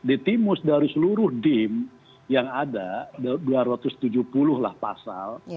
di timus dari seluruh dim yang ada dua ratus tujuh puluh lah pasal